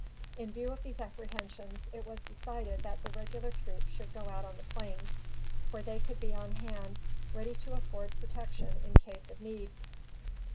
In view of these apprehensions, it was decided that the regular troops should go out on the plains, where they could be on hand ready to afford protection in case of need.